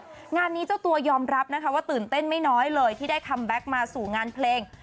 งานนี้เจ้าตัวยอมรับนะคะว่าตื่นเต้นไม่น้อยเลยที่ได้คัมแบ็คมาสู่งานเพลง